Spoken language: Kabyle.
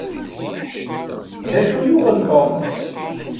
D acu i yuɣen Tom?